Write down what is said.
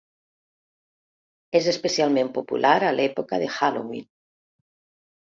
És especialment popular a l'època de Halloween.